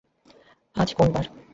আজ কোন বার?